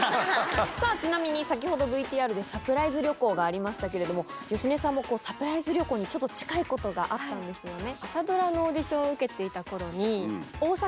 さぁちなみに先ほどＶＴＲでサプライズ旅行がありましたけれども芳根さんもサプライズ旅行に近いことがあったんですよね？